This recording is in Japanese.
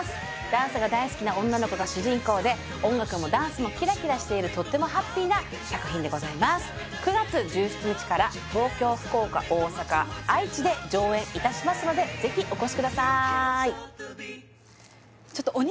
ダンスが大好きな女の子が主人公で音楽もダンスもキラキラしているとってもハッピーな作品でございます９月１７日から東京福岡大阪愛知で上演いたしますのでぜひお越しください